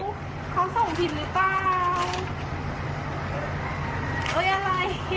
เขาส่งผิดหรือเปล่า